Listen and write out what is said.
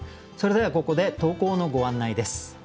それではここで投稿のご案内です。